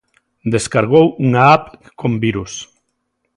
Descargou unha App con virus